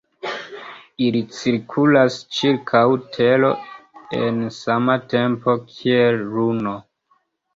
Ili cirkulas ĉirkaŭ Tero en sama tempo kiel Luno.